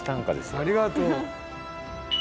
ありがとう。